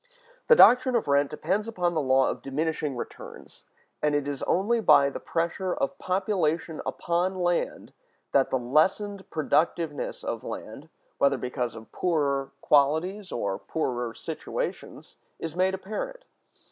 The doctrine of rent depends upon the law of diminishing returns; and it is only by the pressure of population upon land that the lessened productiveness of land, whether because of poorer qualities or poorer situations, is made apparent.